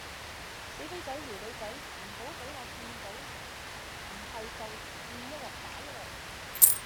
死飛仔撩女仔唔好畀我見到唔喺就見一鑊打一鑊